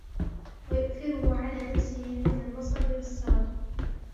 وَيُؤْثِرَهُ عَلَى نَفْسِهِ عِنْدَ النَّصَبِ وَالسَّغَبِ